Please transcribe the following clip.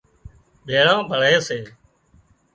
ڀيۯان ڀۯي سي